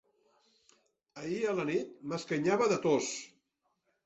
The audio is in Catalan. Ahir a la nit m'escanyava de tos.